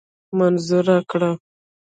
منظوره کړه.